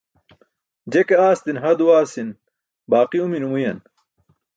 Je ke aasti̇ne ha duwaasi̇n baaqi umi numuyan.